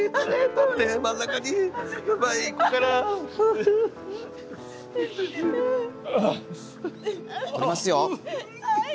撮りますよ。